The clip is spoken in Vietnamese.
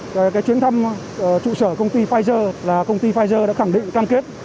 về cái chuyến thăm trụ sở công ty pfizer là công ty pfizer đã khẳng định cam kết